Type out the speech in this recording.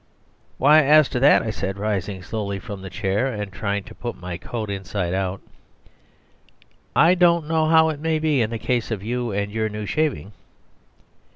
"Why, as to that," I said, rising slowly from the chair and trying to put on my coat inside out, "I don't know how it may be in the case of you and your new shaving.